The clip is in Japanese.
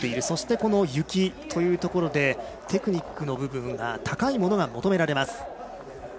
そして、この雪というところでテクニックの部分が高いものが求められます。